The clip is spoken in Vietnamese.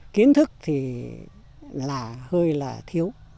kiến thức thì là hơi là thiếu